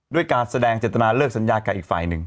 ด้วยการแสดงเจตนาเลิกสัญญากับอีกฝ่ายหนึ่ง